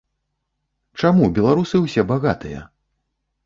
Чаму беларусы ўсе багатыя?